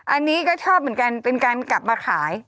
อันนี้ก็ชอบเหมือนกันเป็นการกลับมาขาย